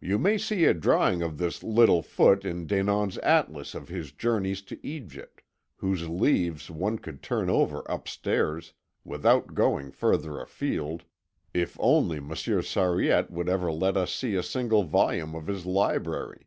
You may see a drawing of this little foot in Denon's atlas of his journey to Egypt, whose leaves one could turn over upstairs, without going further afield, if only Monsieur Sariette would ever let us see a single volume of his library."